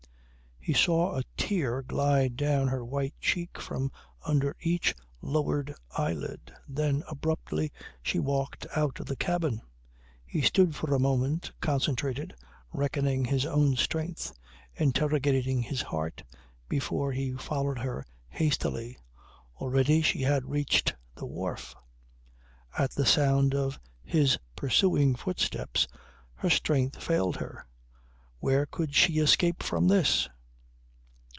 He saw a tear glide down her white cheek from under each lowered eyelid. Then, abruptly, she walked out of the cabin. He stood for a moment, concentrated, reckoning his own strength, interrogating his heart, before he followed her hastily. Already she had reached the wharf. At the sound of his pursuing footsteps her strength failed her. Where could she escape from this?